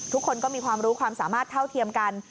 ทุกคนก็มีความรู้ความสามารถเท่าเทียมกัน